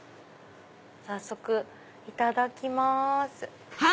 早速いただきます。